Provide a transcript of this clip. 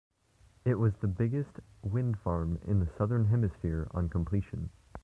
It was the biggest wind farm in the Southern Hemisphere on completion.